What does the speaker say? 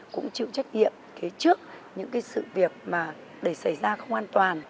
cũng chịu trách nhiệm kế trước những cái sự việc mà để xảy ra không an toàn